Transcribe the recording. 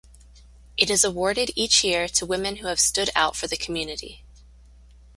It is awarded each year to women who have stood out for the community.